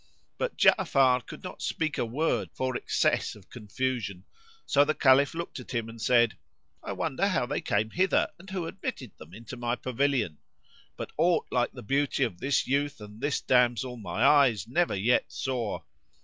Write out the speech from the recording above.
"[FN#54] But Ja'afar could not speak a word for excess of confusion; so the Caliph looked at him and said, "I wonder how they came hither, and who admitted them into my pavilion! But aught like the beauty of this youth and this damsel my eyes never yet saw!"